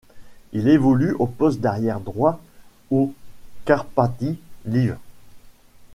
Il évolue au poste d'arrière droit au Karpaty Lviv.